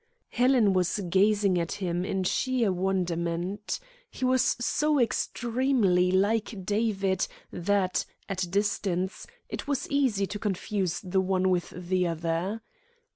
Helen was gazing at him in sheer wonderment. He was so extremely like David that, at a distance, it was easy to confuse the one with the other.